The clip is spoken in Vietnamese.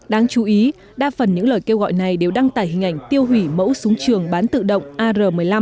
đáng chú ý đa phần những lời kêu gọi này đều đăng tải hình ảnh tiêu hủy mẫu súng trường bán tự động ar một mươi năm